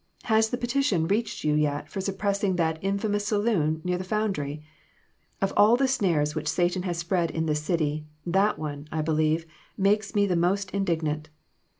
Has the petition reached you yet for suppressing that infamous saloon near the found ry ? Of all the snares which Satan has spread in this city, that one, I believe, makes me the most indignant.